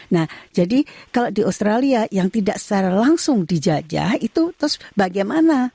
nah jadi kalau di australia yang tidak secara langsung dijajah itu terus bagaimana